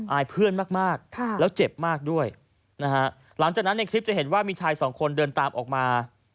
อายเพื่อนมากมากแล้วเจ็บมากด้วยนะฮะหลังจากนั้นในคลิปจะเห็นว่ามีชายสองคนเดินตามออกมา